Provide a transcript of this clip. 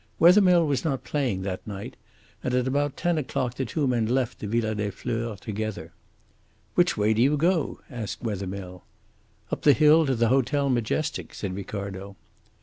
Wethermill was not playing that night, and about ten o'clock the two men left the Villa des Fleurs together. "Which way do you go?" asked Wethermill. "Up the hill to the Hotel Majestic," said Ricardo.